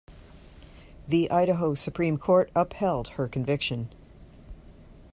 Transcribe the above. The Idaho Supreme Court upheld her conviction.